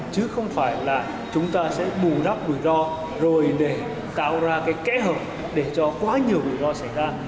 chứ không phải là chúng ta sẽ bù đắp rủi ro rồi để tạo ra cái kẽ hở để cho quá nhiều rủi ro xảy ra